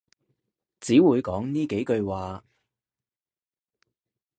只會講呢幾句話